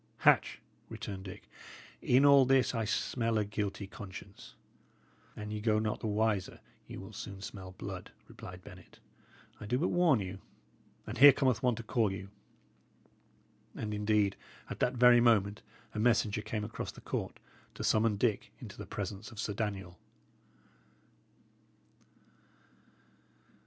"Hatch," returned Dick, "in all this I smell a guilty conscience." "An ye go not the wiser, ye will soon smell blood," replied Bennet. "I do but warn you. And here cometh one to call you." And indeed, at that very moment, a messenger came across the court to summon Dick into the presence of Sir Daniel.